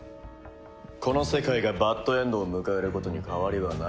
この世界がバッドエンドを迎えることに変わりはない。